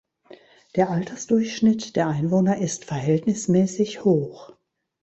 Der Altersdurchschnitt der Einwohner ist verhältnismäßig hoch.